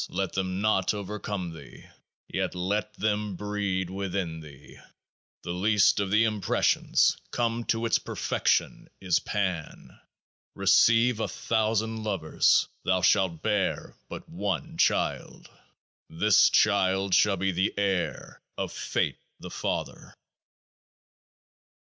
Let them not over come thee ; yet let them breed within thee. The least of the impressions, come to its perfection, is Pan. Receive a thousand lovers ; thou shalt bear but One Child. This child shall be the heir of Fate the Father.